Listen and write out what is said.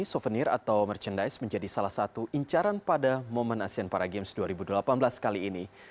souvenir atau merchandise menjadi salah satu incaran pada momen asean para games dua ribu delapan belas kali ini